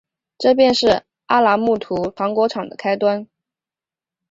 这便是阿拉木图糖果厂的开端。